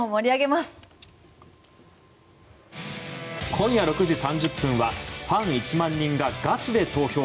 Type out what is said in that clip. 今夜６時３０分は「ファン１万人がガチで投票！